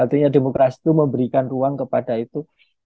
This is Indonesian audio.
artinya demokrasi itu memberikan ruang kepada itu